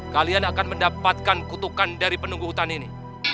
kalian akan mendapatkan kutukan dari penunggu hutan ini